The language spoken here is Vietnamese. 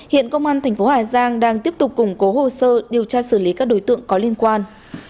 hiện công an thành phố hà giang đang tiếp tục củng cố hồ sơ điều tra xử lý các đối tượng có liên quan